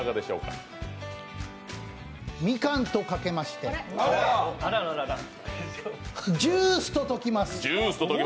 みかんとかけましてジュースとときます。